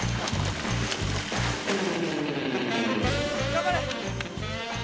頑張れ。